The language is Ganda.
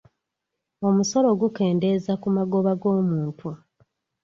Omusolo gukendeeza ku magoba g'omuntu.